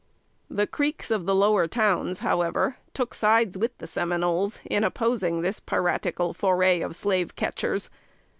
The Creeks of the Lower Towns, however, took sides with the Seminoles, in opposing this piratical foray of slave catchers.